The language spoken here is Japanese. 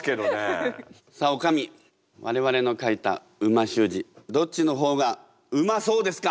さあおかみ我々の書いた美味しゅう字どっちの方がうまそうですか？